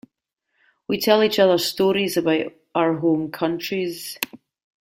We tell each other stories about our home countries.